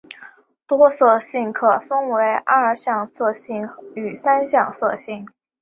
多色性可分为二向色性与三向色性。